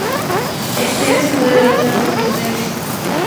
Esther es modelo de Chadwick Models.